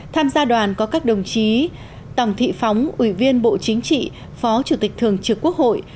tham gia đoàn có các đồng chí tổng thị phóng ủy viên bộ chính trị phó chủ tịch thường trực quốc hội